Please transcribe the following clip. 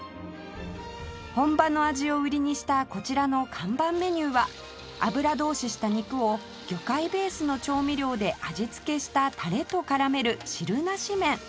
本場の味を売りにしたこちらの看板メニューは油通しした肉を魚介ベースの調味料で味付けしたタレと絡める汁なし麺